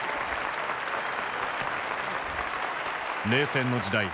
冷戦の時代